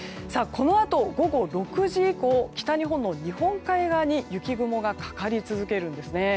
このあと午後６時以降北日本の日本海側に雪雲がかかり続けるんですね。